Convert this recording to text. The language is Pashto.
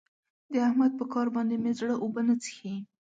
د احمد په کار باندې مې زړه اوبه نه څښي.